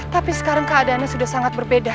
tapi sekarang keadaannya sudah sangat berbeda